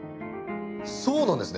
そうなんですね。